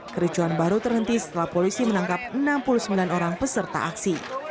kericuan baru terhenti setelah polisi menangkap enam puluh sembilan orang peserta aksi